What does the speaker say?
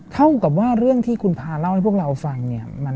เท่ากับว่าเรื่องที่คุณพาเล่าให้พวกเราฟังเนี่ย